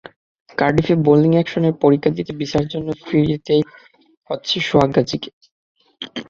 কার্ডিফে bowling অ্যাকশনের পরীক্ষা দিতে ভিসার জন্য ফিরতেই হচ্ছে সোহাগ গাজীকে।